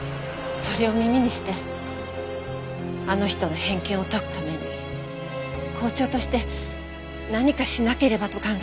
それを耳にしてあの人の偏見を解くために校長として何かしなければと考えました。